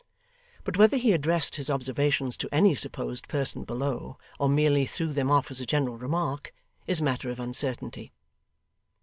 but whether he addressed his observations to any supposed person below, or merely threw them off as a general remark, is matter of uncertainty.